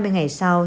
hai mươi ngày sau